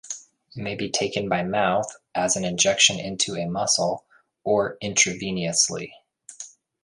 It may be taken by mouth, as an injection into a muscle, or intravenously.